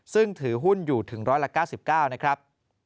ซึ่งถือหุ้นอยู่ถึง๑๙๙นะครับ